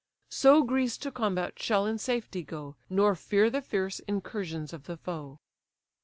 So Greece to combat shall in safety go, Nor fear the fierce incursions of the foe."